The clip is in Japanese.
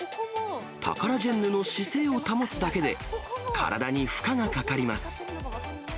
タカラジェンヌの姿勢を保つだけで、体に負荷がかかります。